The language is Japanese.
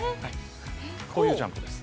こういうジャンプです。